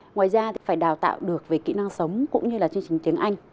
ngoài ra thì phải đào tạo được về kỹ năng sống cũng như là chương trình tiếng anh